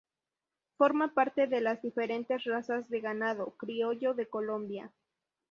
Forma parte de las diferentes razas de ganado criollo de Colombia.